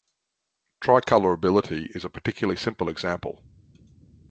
Tricolorability is a particularly simple example.